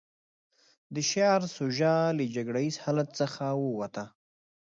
د شعر سوژه له جګړه ييز حالت څخه ووته.